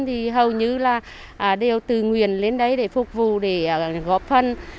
thì hầu như là đều từ nguyện lên đấy để phục vụ để góp phần